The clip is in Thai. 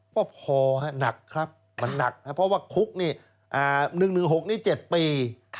ก็พอหนักครับมันหนักครับเพราะว่าคุกนี่๑๑๖นี่๗ปี